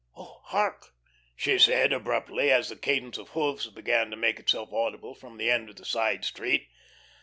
Oh, hark," she said, abruptly, as the cadence of hoofs began to make itself audible from the end of the side street.